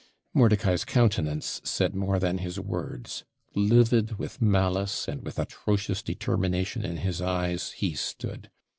Mordicai's countenance said more than his words; livid with malice, and with atrocious determination in his eyes, he stood.